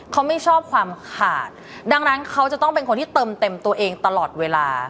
เขาไม่ชอบความขาดดังนั้นเขาจะต้องเป็นคนที่เติมเต็มตัวเองตลอดเวลา